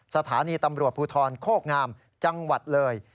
สถานีตำรวจภูทรโคกงามจังหวัดเลย